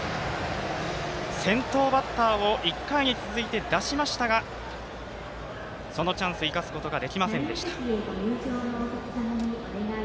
先頭バッターを１回に続いて出しましたがそのチャンス生かすことができませんでした。